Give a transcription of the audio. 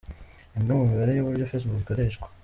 Imwe mu mibare y’uburyo facebook ikoreshwa .